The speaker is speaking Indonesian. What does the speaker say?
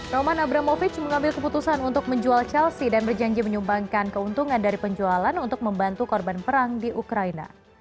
roma nabramovic mengambil keputusan untuk menjual chelsea dan berjanji menyumbangkan keuntungan dari penjualan untuk membantu korban perang di ukraina